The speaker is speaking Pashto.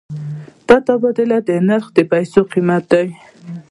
د تبادلې نرخ د پیسو قیمت دی.